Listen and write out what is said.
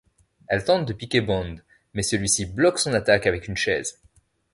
Elle tente de piquer Bond, mais celui-ci bloque son attaque avec une chaise.